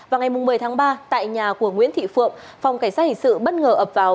vào ngày một mươi tháng ba tại nhà của nguyễn thị phượng phòng cảnh sát hình sự bất ngờ ập vào